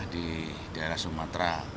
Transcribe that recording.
di daerah sumatera